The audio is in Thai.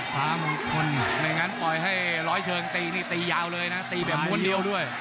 พระมงคลไม่งั้นปล่อยให้ร้อยเชิงตีนี่ตียาวเลยนะตีแบบม้วนเดียวด้วย